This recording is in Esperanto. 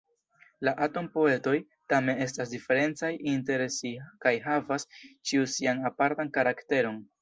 La "atom-poetoj" tamen estas diferencaj inter si kaj havas ĉiu sian apartan karakteron.